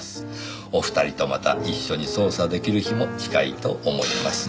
「お二人とまた一緒に捜査出来る日も近いと思います」